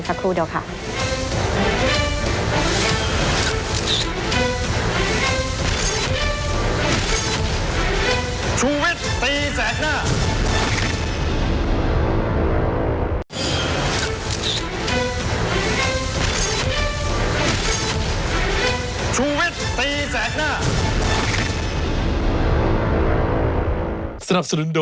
สักครู่เดียวค่ะ